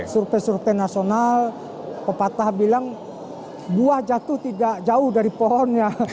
survei survei nasional pepatah bilang buah jatuh tidak jauh dari pohonnya